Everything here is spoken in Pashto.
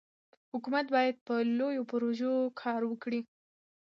حکومت باید په لویو پروژو کار وکړي.